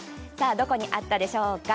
どこにあったでしょうか？